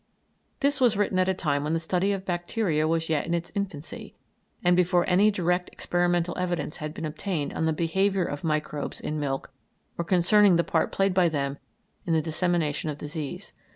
This was written at a time when the study of bacteria was yet in its infancy, and before any direct experimental evidence had been obtained on the behaviour of microbes in milk or concerning the part played by them in the dissemination of disease.